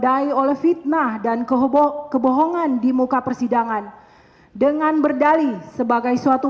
didai oleh fitnah dan kebohongan di muka persidangan dengan berdali sebagai suatu